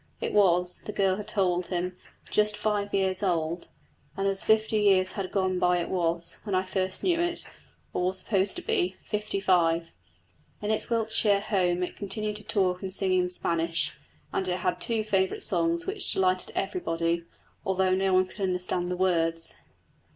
It was, the girl had told him, just five years old, and as fifty years had gone by it was, when I first knew it, or was supposed to be, fifty five. In its Wiltshire home it continued to talk and sing in Spanish, and had two favourite songs, which delighted everybody, although no one could understand the words.